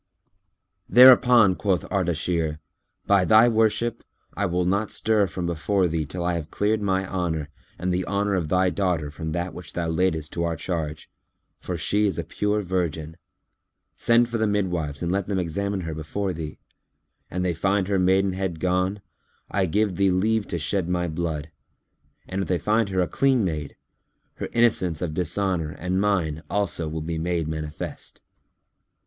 Thereupon quoth Ardashir, "By thy worship, I will not stir from before thee till I have cleared my honour and the honour of thy daughter from that which thou laidest to our charge; for she is a pure virgin. Send for the midwives and let them examine her before thee. An they find her maidenhead gone, I give thee leave to shed my blood; and if they find her a clean maid, her innocence of dishonour and mine also will be made manifest."